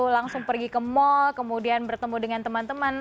langsung pergi ke mall kemudian bertemu dengan teman teman